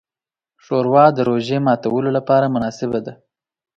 ښوروا د روژې د ماتیو لپاره مناسبه ده.